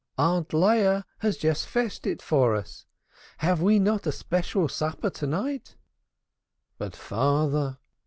Aunt Leah has just fetched it for us. Have we not a special supper to night?" "But father?"